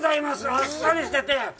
あっさりしてて！